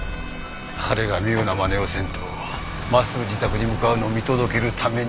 彼が妙な真似をせんと真っすぐ自宅に向かうのを見届けるために。